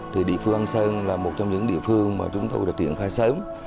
thì địa phương anh sơn là một trong những địa phương mà chúng tôi đã triển khai sớm